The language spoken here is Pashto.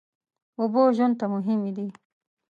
اوبه ژوند ته مهمې دي.